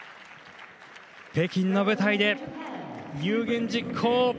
北京の舞台で有言実行。